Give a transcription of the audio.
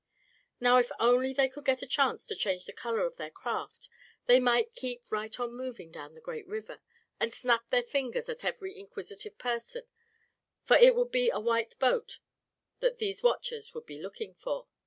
Now, if only they could get a chance to change the color of their craft they might keep right on moving down the great river, and snap their fingers at every inquisitive person; for it would be a white boat that these watchers would be looking for.